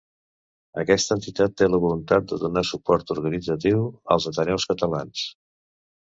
Aquesta entitat té la voluntat de donar suport organitzatiu als ateneus catalans.